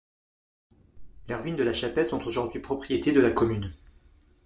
Les ruines de la chapelle sont aujourd'hui propriété de la commune.